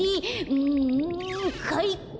うんかいか！